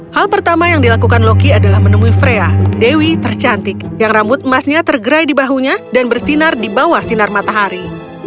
hal pertama yang dilakukan loki adalah menemui frea dewi tercantik yang rambut emasnya tergerai di bahunya dan bersinar di bawah sinar matahari